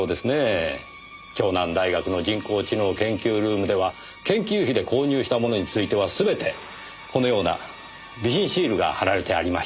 京南大学の人工知能研究ルームでは研究費で購入したものについては全てこのような備品シールが貼られてありました。